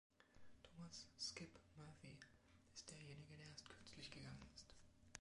Thomas „Skip“ Murphy ist derjenige, der erst kürzlich gegangen ist.